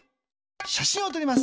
しゃしんをとります。